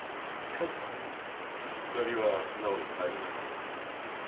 ２人は素直に帰りましたか？